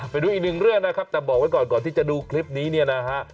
ไปดูอีกหนึ่งเรื่องนะครับแต่บอกไว้ก่อนก่อนที่จะดูคลิปนี้เนี่ยนะฮะ